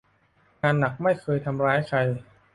งานหนักไม่เคยทำร้ายใคร